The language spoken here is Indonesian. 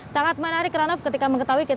sangat menarik ranaf ketika mengetahui